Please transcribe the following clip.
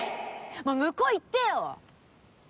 もう向こう行ってよ！